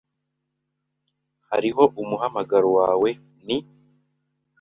Hariho umuhamagaro wawe. Ni .